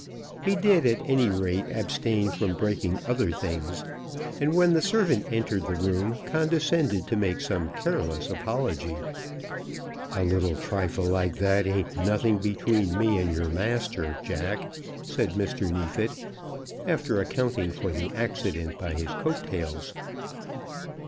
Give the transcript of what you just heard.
He did, at any rate, abstain from breaking other things, and when the servant entered the room, condescended to make some careless apology. "A trifle like that ain't nothing between me and your master, Jack," said Mr. Neefit, after accounting for the accident by his coat tails.